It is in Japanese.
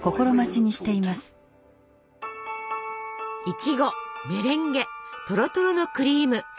いちごメレンゲとろとろのクリーム。